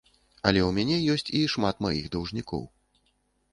Але ў мяне ёсць і шмат маіх даўжнікоў.